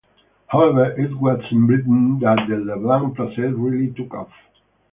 However, it was in Britain that the Leblanc process really took off.